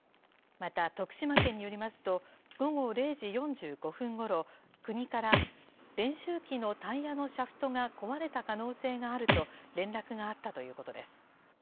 また、徳島県によりますと、午後０時４５分ごろ、国から練習機のタイヤのシャフトが壊れた可能性があると、連絡があったということです。